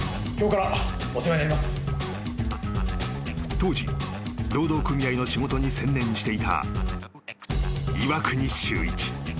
［当時労働組合の仕事に専念していた岩國修一］